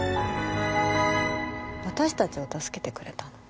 私達を助けてくれたの